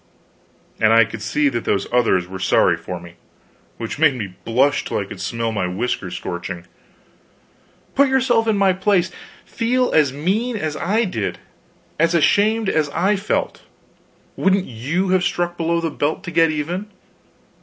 And I could see that those others were sorry for me which made me blush till I could smell my whiskers scorching. Put yourself in my place; feel as mean as I did, as ashamed as I felt wouldn't you have struck below the belt to get even?